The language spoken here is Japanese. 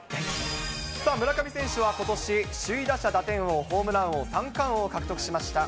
さあ、村上選手はことし、首位打者、打点王、ホームラン王、三冠王を獲得しました。